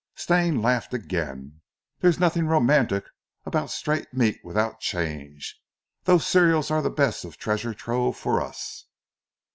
Stane laughed again. "There's nothing romantic about straight meat without change. Those cereals are the best of treasure trove for us."